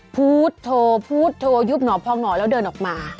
พูดโทรพูดโทรยุบหนอพองหอแล้วเดินออกมา